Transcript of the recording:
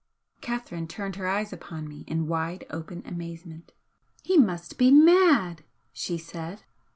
Catherine turned her eyes upon me in wide open amazement. "He must be mad!" she said.